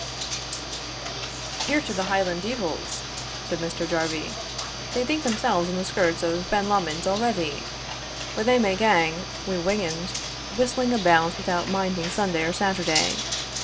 "Hear to the Hieland deevils," said Mr. Jarvie; "they think themselves on the skirts of Benlomond already, where they may gang whewingand whistling about without minding Sunday or Saturday."